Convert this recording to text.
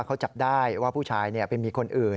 เขาจับได้ว่าผู้ชายไปมีคนอื่น